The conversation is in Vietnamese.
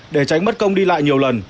để tránh bất công đi lại nhiều lần